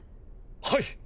はい。